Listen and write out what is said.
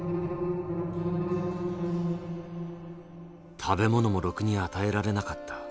「食べ物もろくに与えられなかった。